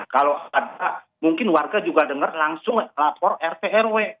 kalau ada mungkin warga juga dengar langsung lapor rt rw